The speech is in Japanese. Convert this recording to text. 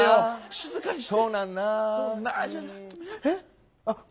静かにして。